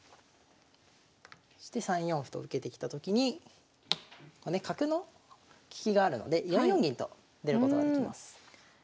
そして３四歩と受けてきたときに角の利きがあるので４四銀と出ることができます。